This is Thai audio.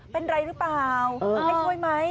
เป็นอะไรหรือเปล่าไม่ค่อยไหม